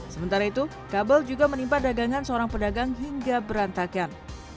sementara itu kabel juga menimpa dagangan seorang pedagang hingga berantakan